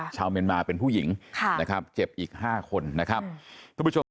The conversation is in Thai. ชาวเมรม่าเป็นผู้หญิงนะครับเจ็บอีกห้าคนนะครับ